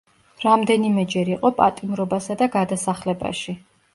რამდენიმეჯერ იყო პატიმრობასა და გადასახლებაში.